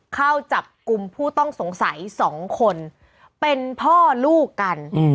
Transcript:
เข้าจับกลุ่มผู้ต้องสงสัย๒คนเป็นพ่อลูกกัน